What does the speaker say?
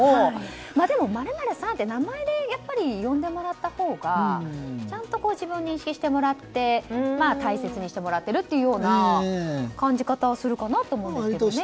でも、○○さんって名前で呼んでもらったほうがちゃんと自分を認識してもらって大切にしてもらっているような感じ方をするかなと思うんですけどね。